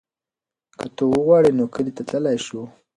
که ته وغواړې نو کلي ته تللی شو.